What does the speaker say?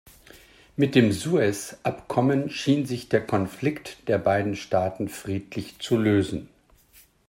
Mit dem Suez-Abkommen schien sich der Konflikt der beiden Staaten friedlich zu lösen.